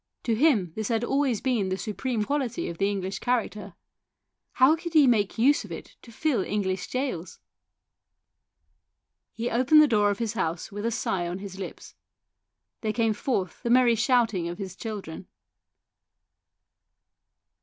To him this had always been the supreme quality of the English character ; how could he make use of it to fill English gaols ? He opened the door of his house, with a sigh on his lips. There came forth the merry shouting of his children.